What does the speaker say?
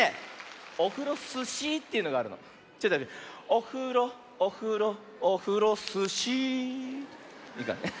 「オフロオフロオフロスシー」いいか？